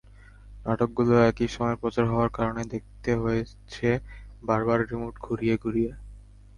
নাটকগুলো একই সময়ে প্রচার হওয়ার কারণে দেখতে হয়েছে বারবার রিমোট ঘুরিয়ে ঘুরিয়ে।